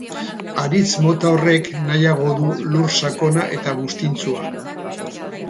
Haritz mota horrek nahiago du lur sakona eta buztintsua.